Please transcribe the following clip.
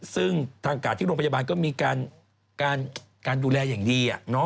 ซึ่งทางกาดที่โรงพยาบาลก็มีการดูแลอย่างดี